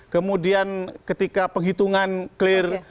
kemudian ketika penghitungan clear